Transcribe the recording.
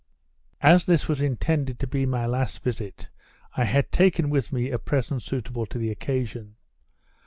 As this was intended to be my last visit, I had taken with me a present suitable to the occasion.